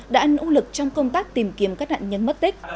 đã nỗ lực trong công tác tìm kiếm các nạn nhân mất tích